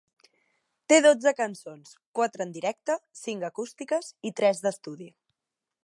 Té dotze cançons: quatre en directe, cinc acústiques i tres d'estudi.